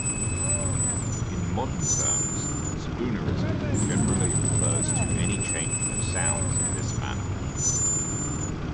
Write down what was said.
In modern terms, "spoonerism" generally refers to any changing of sounds in this manner.